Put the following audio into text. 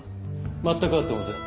全く会ってません。